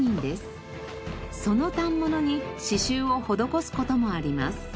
その反物に刺繍を施す事もあります。